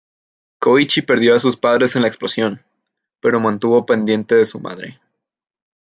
Koichi perdió a sus padres en la explosión, pero mantuvo pendiente de su madre.